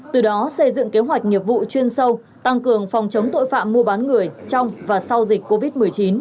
từ đó xây dựng kế hoạch nghiệp vụ chuyên sâu tăng cường phòng chống tội phạm mua bán người trong và sau dịch covid một mươi chín